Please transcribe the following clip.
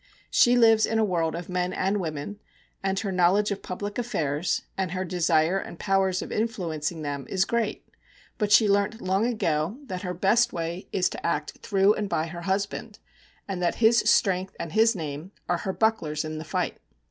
She lives in a world of men and women, and her knowledge of public affairs, and her desire and powers of influencing them, is great. But she learnt long ago that her best way is to act through and by her husband, and that his strength and his name are her bucklers in the fight.